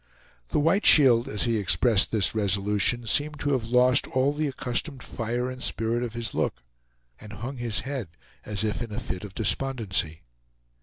The White Shield, as he expressed this resolution, seemed to have lost all the accustomed fire and spirit of his look, and hung his head as if in a fit of despondency.